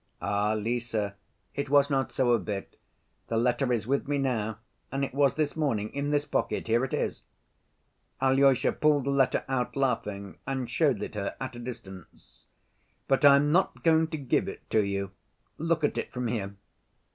"Ah, Lise, it was not so a bit. The letter is with me now, and it was this morning, in this pocket. Here it is." Alyosha pulled the letter out laughing, and showed it her at a distance. "But I am not going to give it to you. Look at it from here."